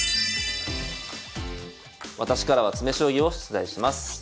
私からは詰将棋を出題します。